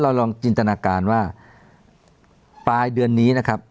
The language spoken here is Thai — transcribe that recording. ลองจินตนาการว่าปลายเดือนนี้นะครับ